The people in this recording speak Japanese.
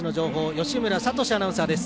義村聡志アナウンサーです。